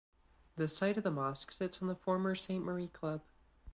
The site of the mosque sits on the former Saint Marie Club.